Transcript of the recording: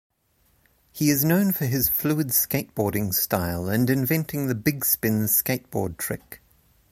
He is known for his fluid skateboarding style and inventing the "Bigspin" skateboard trick.